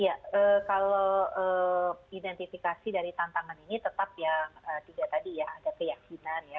ya kalau identifikasi dari tantangan ini tetap yang tiga tadi ya ada keyakinan ya